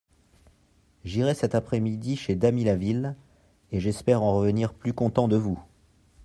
J'irai cette après-midi chez Damilaville, et j'espère en revenir plus content de vous.